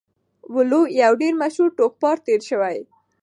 وَلُو يو ډير مشهور ټوکپار تير شوی